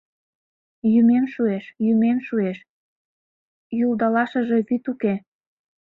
Йӱмем шуэш, йӱмем шуэш Йӱлдалашыже вӱд уке;